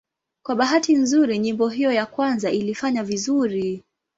Kwa bahati nzuri nyimbo hiyo ya kwanza ilifanya vizuri.